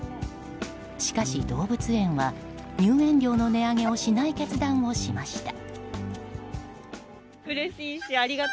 しかし動物園は入園料の値上げをしない決断をしました。